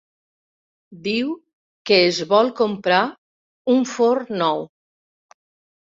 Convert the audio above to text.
Diu que es vol comprar un forn nou.